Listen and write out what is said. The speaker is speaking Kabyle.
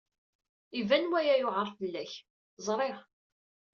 Iban waya yewɛeṛ fell-ak, ẓriɣ.